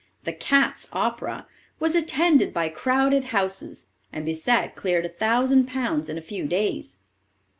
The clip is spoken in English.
The 'Cats' Opera' was attended by crowded houses, and Bisset cleared a thousand pounds in a few days.